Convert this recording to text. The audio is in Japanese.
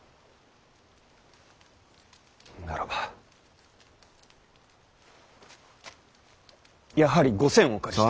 ならばやはり５，０００お借りしたい。